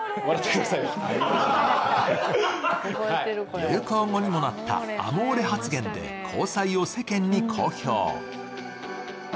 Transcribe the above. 流行語にもなったアモーレ発言で交際を世間に公表。